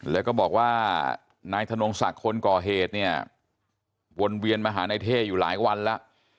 แล้วก็บอกว่านายธนงศักดิ์คนก่อเหตุเนี่ยวนเวียนมาหานายเท่อยู่หลายวันแล้ว